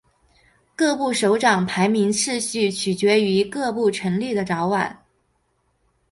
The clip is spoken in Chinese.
各部首长排名次序取决于各部成立的早晚。